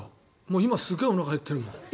今、すごいおなかが減っているもん。